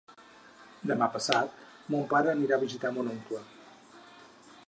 Demà passat mon pare anirà a visitar mon oncle.